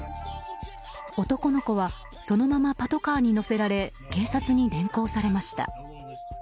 男の子はそのままパトカーに乗せられ警察に連行されました。